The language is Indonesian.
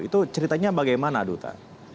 itu ceritanya bagaimana duta